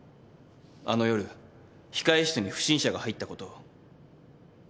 あの夜控室に不審者が入ったことを。